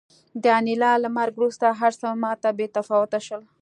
د انیلا له مرګ وروسته هرڅه ماته بې تفاوته شول